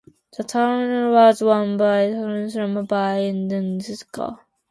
The tournament was won by Vassily Smyslov and David Bronstein.